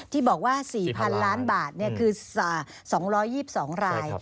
ที่บอกว่า๔๐๐๐ล้านบาทคือ๒๒ราย